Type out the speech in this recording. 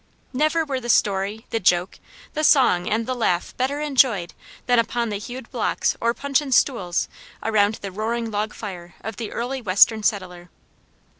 Never were the story, the joke, the song, and the laugh better enjoyed than upon the hewed blocks or puncheon stools around the roaring log fire of the early western settler.